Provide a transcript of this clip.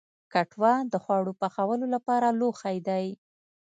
کټوه د خواړو پخولو لپاره لوښی دی